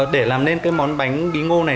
để làm nên cái món bánh bí ngô này